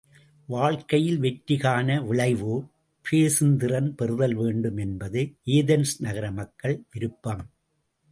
வாழ்க்கையில் வெற்றி காண விழைவோர் பேசுந்திறன் பெறுதல்வேண்டும் என்பது ஏதென்ஸ் நகர மக்கள் விருப்பம்.